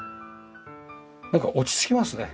なんか落ち着きますね。